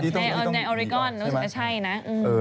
นี่พอมันรู้สึกว่าใช่นะเออถูกไหม